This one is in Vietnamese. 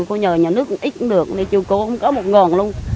cô nhờ nhà nước ít cũng được chứ cô không có một ngòn luôn